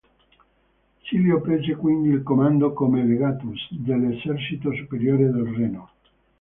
Silio prese quindi il comando, come "legatus", dell'esercito superiore del Reno.